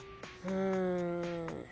うん。